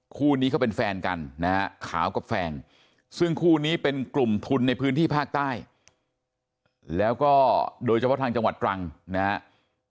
คู่นี้เขาเป็นแฟนกันนะฮะขาวกับแฟนซึ่งคู่นี้เป็นกลุ่มทุนในพื้นที่ภาคใต้แล้วก็โดยเฉพาะทางจังหวัดตรังนะครับ